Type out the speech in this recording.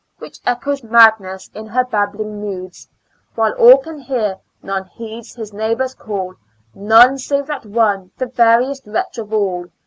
Which echoes Madness in her babbling moods ; While all can hear, none heeds his neighbors call — None ! save that one, the veriest wretch of all.